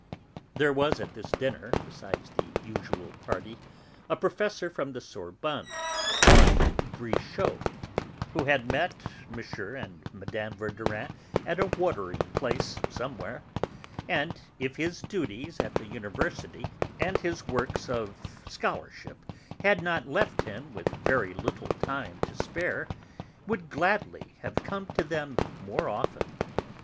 There was, at this dinner, besides the usual party, a professor from the Sorbonne, one Brichot, who had met M. and Mme. Verdurin at a watering place somewhere, and, if his duties at the university and his other works of scholarship had not left him with very little time to spare, would gladly have come to them more often.